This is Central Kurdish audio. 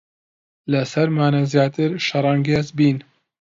لەسەرمانە زیاتر شەڕانگێز بین.